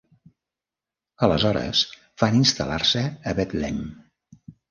Aleshores van instal·lar-se a Betlem.